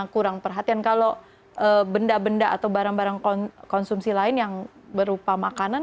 kurang perhatian kalau benda benda atau barang barang konsumsi lain yang berupa makanan